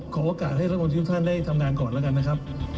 โอกาสให้รัฐมนตรีทุกท่านได้ทำงานก่อนแล้วกันนะครับ